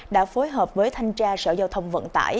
đã phối hợp với thanh tra sở giao thông vận tải